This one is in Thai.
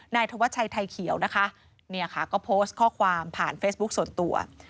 นายธวัชชัยไทยเขียวนะคะเนี่ยค่ะก็โพสต์ข้อความผ่านเฟซบุ๊คส่วนตัว